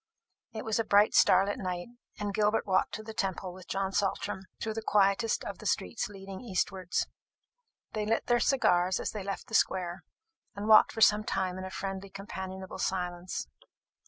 It was a bright starlight night, and Gilbert walked to the Temple with John Saltram, through the quietest of the streets leading east wards. They lit their cigars as they left the square, and walked for some time in a friendly companionable silence.